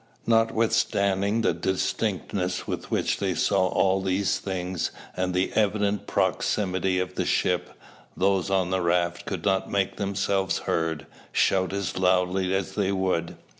Notwithstanding the distinctness with which they saw all these things, and the evident proximity of the ship, those on the raft could not make themselves heard, shout as loudly as they would.